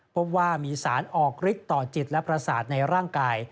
พบว่ามีสารออกฤทธิต่อจิตและประสาทในร่างกาย